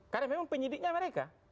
karena memang penyelidiknya mereka